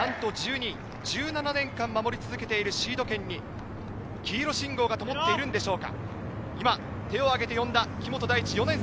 １７年間守り続けているシード権に黄色信号がと思っているんでしょうか。